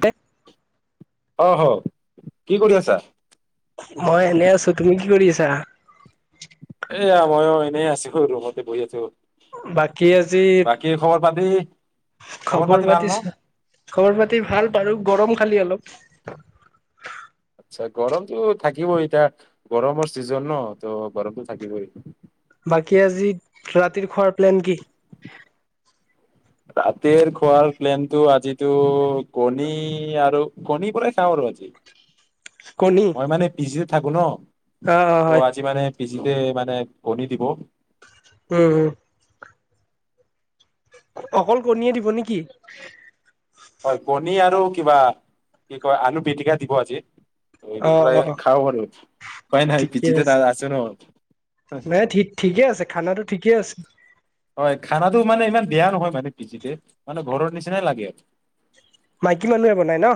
তে। অ হ কি কৰি আছা? মই এনে আছো। তুমি কি কৰি আছা? এয়া ময়ো এনেৱে আছো ৰুমতে বহি আছো। বাকী আজি বাদি খবৰ পাতি চ, খবৰ পাতি ভাল বাৰু গৰম খালী অলপ। গৰমতো থাকিবই ইতা, গৰমৰ ছিজন ন, ত' গৰমটো থাকিবই। বাকী আজি, ৰাতিৰ খোৱাৰ প্লেন কি? ৰাতিৰ খোৱাৰ প্লেনটো আজিতো কণী আৰু কণীৰ পৰাই খাওঁ আৰু আজি। কণী মই মানে পিজিত থাকো ন।। অ অ ত' হয় আজি মানে পিজিতে-মানে কণী দিব। উম-উম অকল কণীয়ে দিব নেকি? হয় কণী আৰু কিবা কি কয় আলু পিটিকা দিব আজি। এইটো অ প্ৰায় অ খাও আৰু উপায় নাই ঠিকে পিজিতে আছে তাত আছোঁ ন। নাই ঠিক-ঠিকে আছে, খানাটো ঠিকে আছে। হয়, খানাটো মানে ইমান বেয়া নহয় মানে পিজিতে, মানে ঘৰৰ নিচিনাই লাগে। মাইকী মানুহে বনাই ন?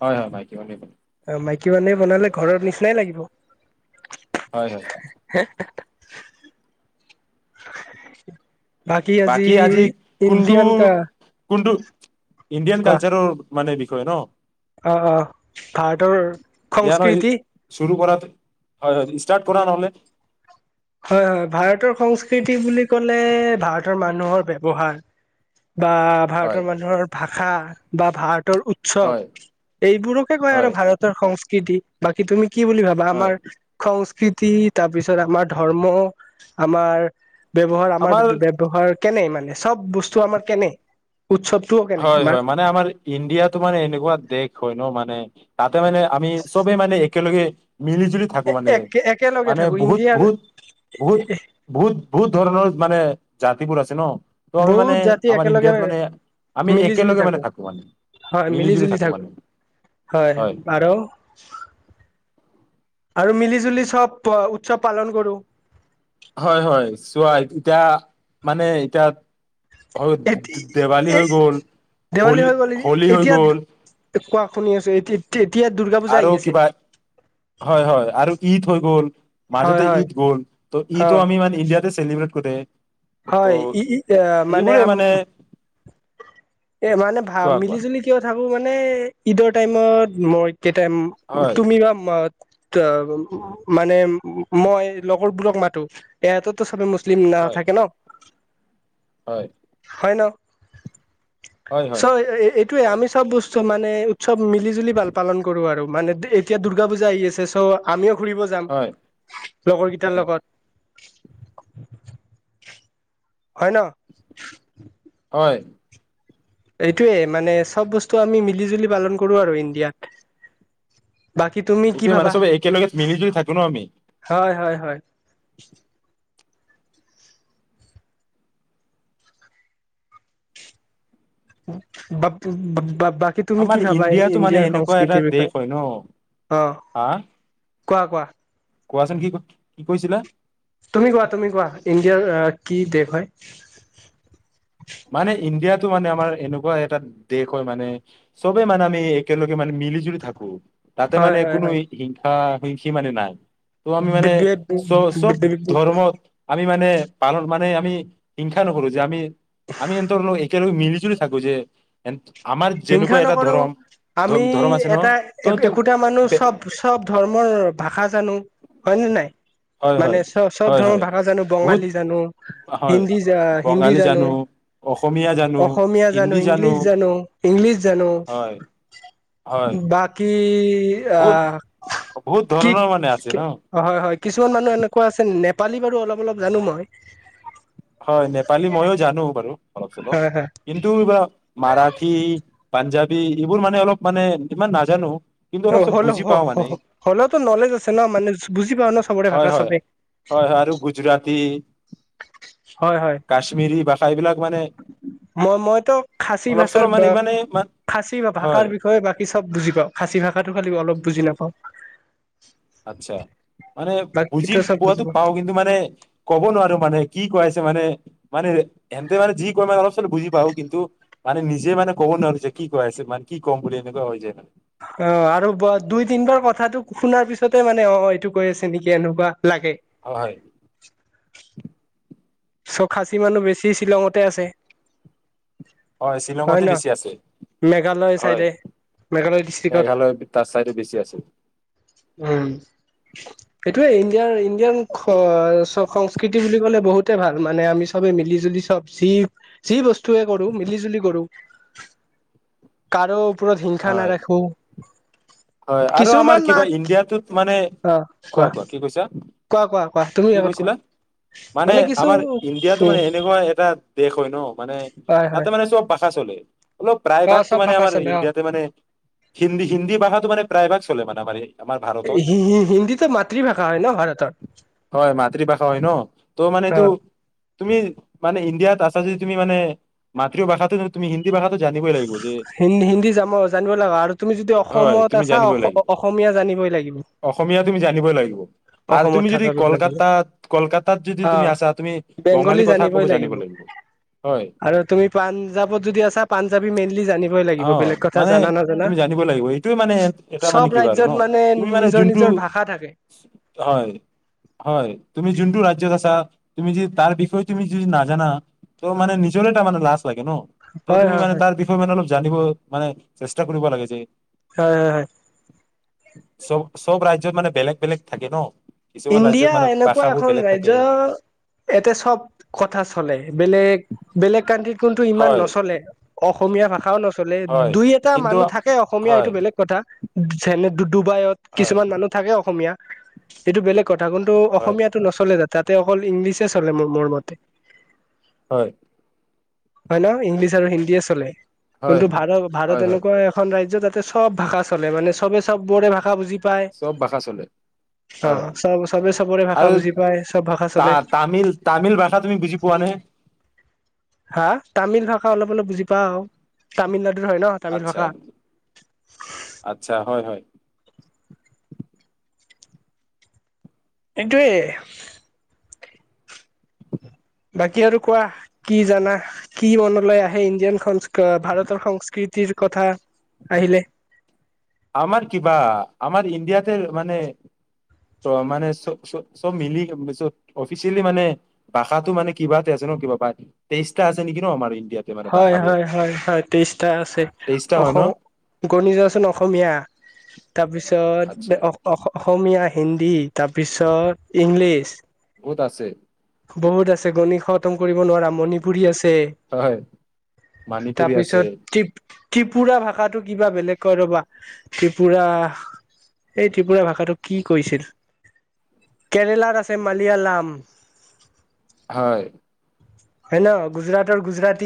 হয়-হয়, মাইকী মানুহে বনাই। অ' মাইকী মানুহে বনালে ঘৰৰ নিচিনাই লাগিব। হয়-হয়। [inaudible] বাকী আজি ইণ্ডিয়ান কা কোনটো-কোনটো ইণ্ডিয়ান কালচাৰৰ মানে বিষয় ন। অ-অ, ভাৰতৰ সংস্কৃতি হয়-হয় ষ্টাৰ্ট কৰা নহ'লে। হয়-হয়, ভাৰতৰ সংস্কৃতি বুলি ক'লে ভাৰতৰ মানুহৰ ব্যৱহাৰ। বা, হয় ভাৰতৰ মানুহৰ ভা ষা বা ভাৰত আৰু উৎসৱ, হয় এইবোৰকে কয় আৰু হয় ভাৰতৰ সংস্কৃতি। বাকী তুমি কি বুলি ভাবা? হয় আমাৰ সংস্কৃত তি, তাৰ পিছত আমাৰ ধৰ্ম, আমাৰ ব্যৱহাৰ আমাৰ ব্য-ব্যৱহাৰ। কেনে, মানে চব বস্তু আমাৰ কেনে? উৎসৱটোও কেনে আমাৰ হয়-হয়, মানে আমাৰ ইণ্ডিয়াতো মানে এনেকুৱা দেশ হয় ন মানে, তাতে মানে আমি চবেই মানে একেলগে মিলি জুলি থাকো একে একেলগে মানে-মানে থাকো বহুত ইণ্ডিয়াৰ বহুত-বহুত-বহুত-বহুত, ধৰণৰ মানে জাতি বোৰ আছে ন ত' আমি মানে বহুত জাতি আমাৰ একেলগে ইণ্ডিয়াত মানে আমি মিলি জুলি একেলগে মানে থাকোঁ থাকো মানে হয় মিলি জুলি থাকো হয় আৰ আৰু মিলি জুলি চব উৎসৱ পালন কৰো হয় হয় চোৱা এতিয়া মানে এতিয়া অ এতি দে দেৱালী এই হৈ গ'ল হলী হলী হৈ গ'ল এ কোৱা শুনি আছে এই টি টিত এতিয়া দুৰ্গা পূজা আৰু আহি কিবা হয় হয় আৰু ই থৈ গ'ল হয় মাজতে হয় ঈদ গ'ল ত অ ঈদো আমি মানে ইণ্ডিয়াতে চেলিব্ৰেট কটে হয়। ই, এ, মানে, আম মানে, ভা, কোৱা কোৱা মিলি-জুলি কিয় থাক আৰু মানে ঈদৰ টাইমত মই কেতাইম হয় তুমি বা মা ত উ মানে মই লগৰবোৰক মাতো এহততো চবে মো মুছলিম নাও হয় থাকে ন হয় হয় ন হয় হয় চ', এ, এ, এ সেইটোয়ে আমি চব বস্তু মানে উৎসৱ মিলি জুলি ভাল পালন কৰো আৰু মানে এতিয়া দূৰ্গা পূজা আহি আছে চ' আমিও ঘুৰিব যাম হয় লগৰকেইটাৰ উম, লগত [unintelligible] হয় ন হয় এইটোয়ে মানে চব বস্তু আমি মিলি জুলি পালন কৰো আৰু ইণ্ডিয়াত বাকী তুমি কি এইটোৱে ভাবা মানে চবে একেলগে মিলি জুলি থাকো ন আমি হয় হয় বা প বাবাপ আমাৰ ইণ্ডিয়াটো মানে এনেকুৱা এটা দেশ বিষয়ে হয় ন অ হা কোৱা কোৱা কোৱাচোন, কি, কি কৈছিলা? তুমি কোৱা তুমি কোৱা ইণ্ডিয়াৰ কি দেশ হয় মানে, ইণ্ডিয়াত টো মানে আমাৰ এনুকা এটা দেশ হয় মানে চবে মানে আমি একেলগে মানে মিলি জুলি থাকো তাতে হয় মানে হয় কোনো হিংসা সি মানে নাই। ত' আমি মানে, চ-চব হয় ধৰ্মত আমি মানে পালন মানে আমি, হিংসা নকৰো যে আমি আমি হেণ্টৰ একেলগে মিলি জুলি থাকো যে। আমাৰ যেনেকুৱা হিংসা এটা নকৰো, ধৰম আমি ধ- ধৰম আছে ন এটা ত তো এ-একোটা মানুহ বে- চব-চব ধৰ্মৰ ভাষা জানো, হয় ন নাই। হয় মানে হয় চ-চব হয় ধৰণৰ হয় ভাষা জানো বহুত বঙালী জানো, হয় হিন্দী জা-হিন্দী জানো, অসমীয়া জানো অসমীয়া জানো, ইংলিছ জানো। ইংলিছ জানো। হয় হয় বাকী। বহুত বহুত কি? ধৰণৰ মানে আছে কি ন অহ' কিত হয়-হয় কিছুমান এনেকুৱা আছে। নেপ পালি বাৰু অলপ অলপ জানো মই। হয়, নেপালী ময়ো জানো বাৰু। অলপ চলব, হয় হয় কিন্তু বা মাৰাঠী। পাঞ্জাবী এইবোৰ মানে অলপ মানে ইমান নাজানো। কিন্তু অলপ চব হলে বুজি পাওঁ মানে হ-হ-হ হলেওটো নলেজ আছে ন মানে বুজি পাও ন। চবৰে ভাষা চবে হয়-হয়-হয়-হয় আৰু গুজৰাটী। [unintelligible] হয়-হয়, কাশ্মিৰী ভাষা এইবিলাক মানে মই-মইতো খাচী অলপ ভাষাৰ চলপ মানে বা ইমানে খাচী ভাষাৰ হয় বিষয়ে বাকী চব বুজি পাওঁ, খাচী ভাষাটো খালি অলপ বুজি নাপাওঁ। আচ্ছাঁ, মানে বুজি বাকীতো চব পোৱাতো পাওঁ পাও কিন্তু মানে ক'ব নোৱাৰো মানে কি কৈ মানে-মানে এনতে মানে যি কয় মানে অলপ চল বুজি পাওঁ, কিন্তু মানে নিজে মানে ক'ব নোৱাৰো যে কি ক আছে মানে কি ক'ম বুলি এনেকুৱা হয় যায়। অ আৰু ব দুই তিন-বাৰ কথাটো শুনাৰ পিছতে মানে অ এইটো কৈ আছে নেকি এনেকুৱা। লাগে। হয় ছ খাচী মানুহ বেছি শ্বিলঙতে আছে। হয় শ্বিলঙতে বেছি আছে, মেঘালয় হয় চাইডে মেঘালয় ডিষ্ট্ৰিক্টত মেঘালয় তাৰ ছাইডে বেছি আছে। উম, সেইটোৱে ইণ্ডিয়াৰ-ইণ্ডিয়ান স-সংস্কৃতি বুলি কলে বহুতে ভাল মানে আমি চবে মিলি জুলি চব যি-যি বস্তুৱে কৰো মিলিজুলি কৰো, কাৰো উপৰত হিংসা হয় নাৰাখো। হয় আৰু আমাৰ কিছুমান কিবা মাক টোত মানে, অ কোৱা কোৱা-কোৱা, কি কৈছা, কোৱা কোৱা কোৱা তুমি কি আগত কোৱা কৈছিলা, মানে আমাৰ ইণ্ডিয়াতো মানে এনেকুৱা এটা দেশ হয় ন, মানে, হয় হয় তাতে মানে চব ভাষা চলে। অলপ প্ৰায় অ ভাগতটো চব মানে ভাষা আমাৰ চলে অ ইণ্ডিয়াতে মানে, হিন্দী-হিন্দী ভাষা প্ৰায়ভাগ চলে মানে, আমাৰ ভাৰতত, হিন্দীতো মাতৃভাষা হয় ন ভাৰতৰ হয় মাতৃভাষা হয় ন, ত' মানে অ এইটো তুমি মানে ইণ্ডিয়াত আছা যে তুমি মানে মাতৃভাষাটো তুমি ভাষাটো জানিবই লাগিব যে হিন্দী হিন্দী যানব লাগা আৰু তুমি যদি হয় অসমত ইটা তুমি চা জানিবই লাগিব অস-অসমীয়া জানিবই লাগিব। অসমীয়া তুমি জানিবই লাগিব আৰু অসমত তুমি যদি থকা লগ কলকাতাত কলকাতাত যদি তুমি অ'। আছা তুমি বঙালী বেংগলী কথা ক'ব জানিবই জানিব লাগিব হয় আৰু তুমি পাঞ্জাৱত যদি আছা পাঞ্জাবী মেইনলি জানিব। অ' মানে তুমি জানিব লাগিব এইটোয়ে মানে এটা মানে চব কি আৰু ৰাজ্যত মানে তুমি মানে নিজৰ যোনটো নিজৰ ভাষা থাকে হয়-হয় তুমি যোনটো ৰাজ্যত আছা তুমি যদি তাৰ বিষয়ে তুমি যদি নাজানা তোমাৰ মানে নিজৰে মানে লাঁজ, লাগে ন। ত হয় তুমি হয় মানে হয় তাৰ বিষয়ে মানে অলপ। মানে চেষ্টা কৰিব লাগে যে। হয়-হয়-হয়। চব-চব ৰাজ্যত মানে বেলেগ-বেলেগ থাকে ন? কিছুমান ৰাজ্যত ইণ্ডিয়া মানে এনেকুৱা ভাষাবোৰ এখন বেলেগ ৰাজ্য, থাকে এতে চব কথা চলে। বেলেগ বেলেগ কানট্ৰিত কোনটো ইমান হয় নচলে। অসমীয়া ভাষাও ন- চলে, হয় দুই এটা কিন্তু মানুহ থাকে অসমীয়া এইটো হয় বেলেগ কথা। চলে দু [inaudible] ডুবাইত, হয় কিছুমান মানুহ থাকে অসমীয়া। সটো বেলেগত, তাহুণ্টো হয় অসমীয়াতো নচলে তাত। ততে অকল ইংলিছে চলে মোৰ মতে। হয়' হয় ন, ইংলিছ আৰু হিন্দীয়ে চলে। হয় কিন্তু ভাৰত ভাৰত হয় হয় এনেকুৱা এখন ৰাজ্য তাত। সব ভাষা চলে মানে সবে সবৰে ভাষা বুজি। পায় সব ভাষা চলে। অ হয়' চব চবে চবৰে ভাষা আৰু বুজি পায় চব ভাষা তা চলে তামিল তামিল ভাষা তুমি বুজি পোৱানে? হা' তামিল ভাষা অলপ অলপ বুজি পাওঁ তামিলত আচ্ছা' আচ্ছা' হয়' হয়' এইটোৱেই' বাকী আৰু কোৱা কি জানা কি মনলৈ আহে ইণ্ডিয়ান ভাৰতৰ সংস্কৃতিৰ কথা আহিলে? আমাৰ কিবা আমাৰ ইণ্ডিয়াতে মানে মানে সব মিলি অফিচিয়েলি মানে ভাষাটো মানে কিবাতে আছে ন কিবা তেইছটা আছে নেকি ন মানি। হয়' হয়' হয়' হয়' তেইছটা আছে তেইশটা হয় ন অসম গণিজোৱা সোণ অসমীয়া। [inaudible] তাৰপিছত আচ্ছা অসম অসমীয়া, হিন্দী তাৰপিছত। ইংলিছ। বহুত আছে বহুত আছে গণিত খতম। কৰিব নোৱাৰা মণিপুৰী আছে। মানিপুুৰী আছে। তাৰপিছত ত্ৰিপ ত্ৰিপুৰা ভাষাটো কিবা বেলেগ কয় ৰবা ত্ৰিপুৰা এই ত্ৰিপুৰা ভাষাটো কি কৈছিল কেৰেলাত আছে মালিয়ালম। হয়। হয় ন গুজৰাটৰ-গুজৰাতী।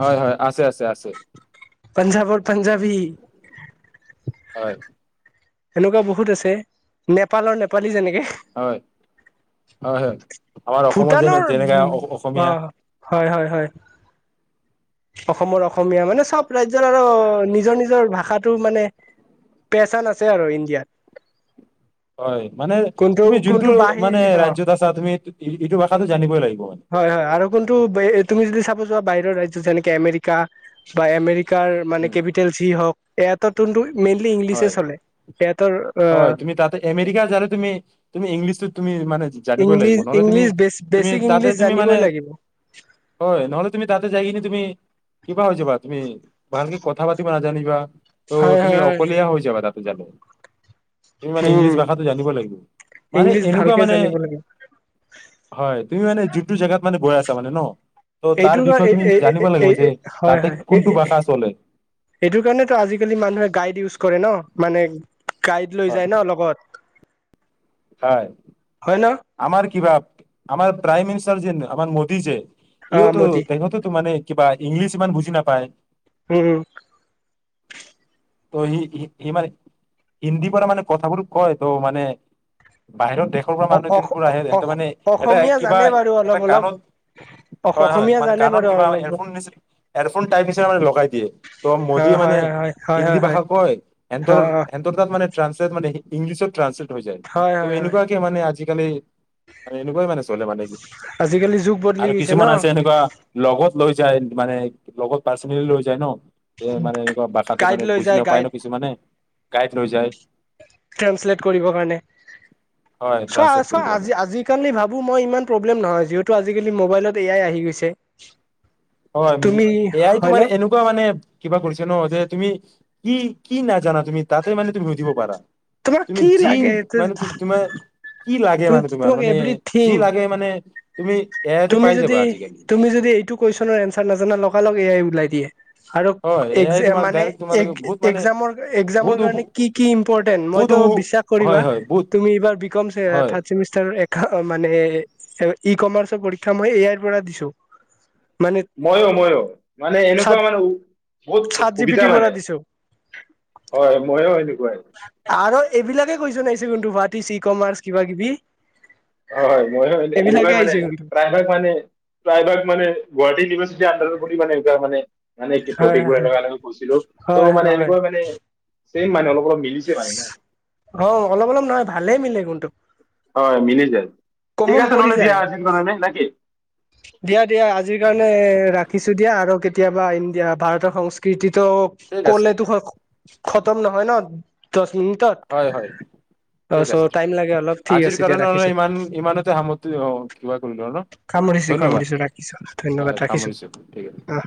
হয়-হয়, আছে-আছে-আছে। পঞ্জাৱৰ-পাঞ্জাবী। হয়। সেনেকুৱা বহুত আছে নেপালৰ নেপালী যেনেকে। হয়, হয়, হয়। আমাৰ অসমত, ভূটানৰ যেনে-যেনেকে অ অসমীয়া হয়, হয়, হয়। অসমৰ অসমীয়া। মানে, চব ৰাজ্যৰ আৰু নিজৰ নিজৰ ভাষাটো, মানে, পেহচান আছে আৰু ইণ্ডিয়াত। হয়। মানে, কোনটো তুমি যোনটো, কোনটো বাহিৰ মানে, অ ৰাজ্যত আছা, তুমি ইটো ভাষাটো জানিবই লাগিব। হয় [unintelligible] তুমি যদি চাব, যোৱা বাহিৰৰ ৰাজ্য টো যেনেকে আমেৰিকা বা আমেৰি কাৰ মানে উম, কেপিটেল যি হওক এটা [unintelligible] হয়, আহ হয়। তুমি তাতে আমেৰিকা গ'লে, তুমি, তুমি ইংলিছটো, তুমি মানে, জানিবই লাগিব। ইংলিছ নহ'লে তুমি, ইংলিছ বেছ তুমি বেছিক তাতে, ইংলিছ তুমি মানে, জানিবই লাগিব হয়, নহ'লে তুমি তাতে যাই কিনে তুমি কিবা হৈ যাবা। তুমি ভালকে কথা পাতিব নাজানিবা হয় হয় হয়। কৈ যাবা তাতে জালে। তুমি মানে উম ইংলিছ ভাষাটো জানিব লাগিব, মানে ইংলিছ এনেকুৱা ভালকে মানে, জানিব লাগিব হয়। তুমি মানে যিটো জেগাত মানে, গৈ আছা মানে ন ত' তাৰ এইটোৰ বিষয়ে এই তুমি জানিব লাগিব যে এই-এই-এই হয় তাতে হয়, কোনটো ভাষা চলে এই-এই-এইটোৰ কাৰণেতো আজিকালি মানুহে গাইড ইউজ কৰে ন', মানে গাইড লৈ হয় যায় ন লগত। হয়। হয় ন আমাৰ কিবা আমাৰ প্ৰাইমিনিচ [unintelligible] আমাৰ মোদী যে অ ইয়তো মোদী তেহঁতোতো মানে কিবা ইংলিছ ইমান বুজি নাপায়। উম উম। ত' সি-সি-সি মানে হিন্দীৰ পৰা মানে কথাবোৰ কয় ত' মানে বাহিৰৰ দেশৰ পৰা অ মানুহ [unintelligible] অ আহে অ [unintelligible] মানে এটা অসমীয়া কিবা জানে বাৰু এটা অলপ অলপ কাণত, অ হয় হয়, অসমীয়া মানে জানে কাণত বাৰু কিবা অলপ এয়াৰফোন, এয়াৰফোন টাইপ হিচাপে লগাই দিয়ে, ত' অ মোদীয়ে মানে হয় হয় হয় হিন্দী হয় হয় ভাষা কয় হেনতৰ হয় অ অ হেনতৰ তাত মানে ট্ৰান্সলেট মানে সি ইংলিছত ট্ৰান্সলেট হৈ যায়, হয় ত' হয় হয় এনেকুৱাকে মানে আজি খালি মানে এনেকুৱাই মানে চলে মানে, আজিকালি যুগ বদলি আৰু গৈছে ন কিছুমান আছে এনেকুৱা লগত লৈ যায় মানে লগত পাৰ্ছনেলি লৈ যায় ন'। যে মানে এনেকুৱা ভাষাটো গাইড মানে লৈ বুজি যায় নাপায় গাইড ন' কিছুমানে গাইত ৰৈ যায় ট্ৰেঞ্চলেট কৰিবৰ হয় ট্ৰান্সলেট। কৰিব অ', কাৰণে আজি আজিকালি ভাবো মই ইমান প্ৰব্লেম নহয় যি তো আজিকালি মোবাইলত এ আই আহি গৈছে। হয় তুমি এ আইটো হয় ন মানে এনেকুৱা মানে কিবা কৰিছে ন যে তুমি কি কি নাজানা তুমি তাতে মানে তুমি সুধিব পাৰা তোমাক তুমি কি যি লাগে মানে তোমাৰ কি লাগে মানে তোমাৰ তোমাক মানে এভৰিথিং যি লাগে মানে তুমি এ আইতে তুমি পাই যদি, যাবা আজিকালি তুমি যদি এইটো কুৱেশ্যনৰ এনচ চাল নাজানা লগা লগ এ আই ওলাই দিয়ে। আৰু হয় এ আই এক্জাম তোমাক মানে ডাইৰেক্ট তোমাৰ এক বহুত মানে এক্জামৰ এক্জামৰ বহুত কাৰনে উপ- কি কি ইম্পৰ্টেন্ট বহুত মইতো উ- বিশ্বাস কৰিবা হয় হয় বহুত তুমি এইবাৰ বি ক'ম হয় থাৰ্ডচেমিষ্টাৰৰ মানে ই কমাৰ্চৰ পৰী মই এ আইৰ পৰা দিছোঁ। মইও, মইও মানে এনেকুৱা চাত মানে বহুত চাত জি পি সুবিধা টিৰ পৰা মানে দিছো হয় মইও এনেকুৱা। আৰ' এইবিলাকে কইছন নে আহিছ কিন্তু দু ভাটিচ ই কমাৰ্চ কিবা কিবি হয়, হয়, মই এইবিলাকে এনেকুৱাই মানে আহিছে কিন্তু প্ৰায়ভাগ মানে, প্ৰায়ভাগ মানে গুৱাহাটি ইউনিভাৰচিটিৰ আণ্ডাৰত [unintelligible] মানে মানে হয় ট'পিক হয় বোৰ হয় এনেকুৱা এনেকুৱা কৈছিলো হয় ত' মানে হয় হয় এনেকুৱা মানে চেম মানে অলপ অলপ মিলিছে মানে ন অ', অলপ অলপ নহয় ভালেই মিলে কোনটো। হয়, মিলি যায়। ঠিক কমন আছে পৰি নহ'লে দিয়া, যায় আজিৰ কাৰণে না কি। দিয়া দিয়া আজিৰ কাৰণে এ ৰাখিছো দিয়া আৰু কেতি কেতিয়াবা আহিম দিয়া, ভাৰতৰ সংস্কৃতিত ত' ঠিক আছে ক'লেটো খত তম নহয় ন' দছ হয়, হয় ঠিক আছে, চ' টাইম লাগে অলপ ঠিক আজিৰ আছে দিয়া কাৰণে ৰাখিছো। ইমান ইমানতে সামত কিবা কৰিলোঁ ন'। সামুৰিছো ধন্যবাদ সামুৰিছো ৰাখিছোঁ হয় ধন্যবাদ, সামৰিছো ঠিক আছে। ৰাখিছোঁ অ'।